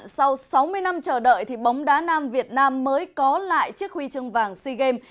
sau sáu mươi năm chờ đợi bóng đá nam việt nam mới có lại chiếc huy chương vàng sea games